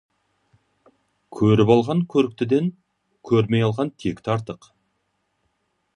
Көріп алған көріктіден, көрмей алған текті артық.